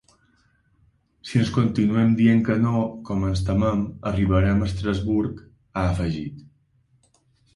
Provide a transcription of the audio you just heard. Si ens continuen dient que no, com ens temem, arribarem a Estrasburg, ha afegit.